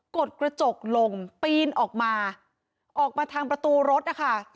กดกระจกลงปีนออกมาออกมาทางประตูรถนะคะ